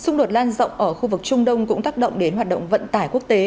ngoại trưởng đa dọng ở khu vực trung đông cũng tác động đến hoạt động vận tải quốc tế